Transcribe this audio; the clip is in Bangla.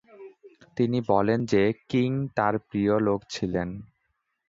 তিনি বলেন যে কিং তার প্রিয় লোক ছিলেন।